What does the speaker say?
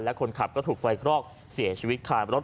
และคนขับก็ถูกไฟคลอกเสียชีวิตคารถ